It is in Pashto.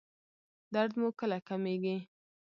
درد مو کله کمیږي؟